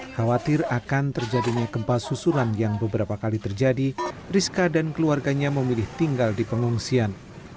khawatir akan terjadinya gempa susulan yang beberapa kali terjadi rizka dan keluarganya memilih tinggal di pengungsian